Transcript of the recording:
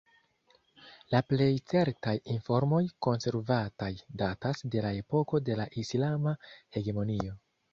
La plej certaj informoj konservataj datas de la epoko de la islama hegemonio.